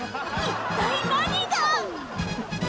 一体何が？